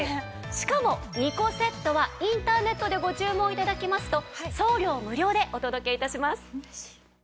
しかも２個セットはインターネットでご注文頂きますと送料無料でお届け致します。